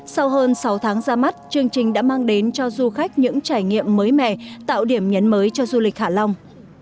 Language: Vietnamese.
sau hơn sáu tháng ra mắt chương trình đã mang đến cho du khách những trải nghiệm mới mẻ tạo điểm nhấn mới cho du lịch hạ long